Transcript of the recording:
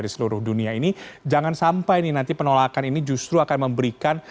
di seluruh dunia ini jangan sampai nih nanti penolakan ini justru akan memberikan